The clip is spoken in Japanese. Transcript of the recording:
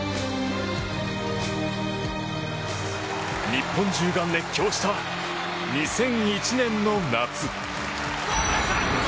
日本中が熱狂した２００１年の夏。